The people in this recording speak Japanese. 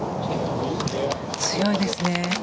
強いですね。